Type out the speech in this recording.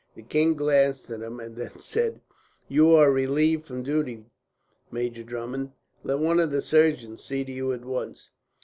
The king glanced at him, and then said: "You are relieved from duty, Major Drummond. Let one of the surgeons see to you, at once."